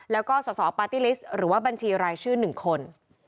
แล้วก็สสปาร์ตี้ลิสต์หรือว่าบัญชีรายชื่อ๑คน